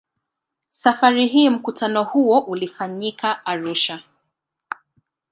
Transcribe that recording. Safari hii mkutano huo ulifanyika Arusha.